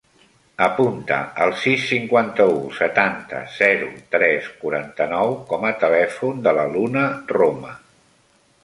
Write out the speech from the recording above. Apunta el sis, cinquanta-u, setanta, zero, tres, quaranta-nou com a telèfon de la Luna Roma.